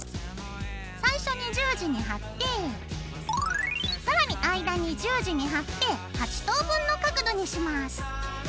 最初に十字に貼って更に間に十字に貼って８等分の角度にします。